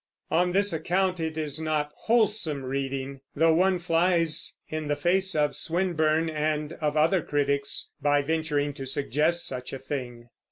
On this account it is not wholesome reading; though one flies in the face of Swinburne and of other critics by venturing to suggest such a thing.